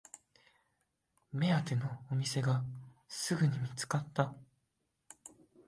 目当てのお店がすぐに見つかった